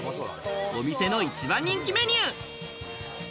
お店の一番人気メニュー。